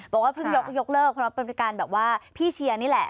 บอกว่าเพิ่งยกเลิกเพราะเป็นการแบบว่าพี่เชียร์นี่แหละ